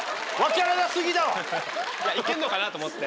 いけんのかなと思って。